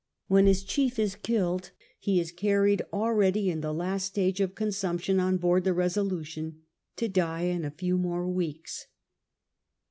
When his chief is killed he is carried, already in the last stage of consumption, on board the llesolutuyn^ to die in a few moi'c weeks.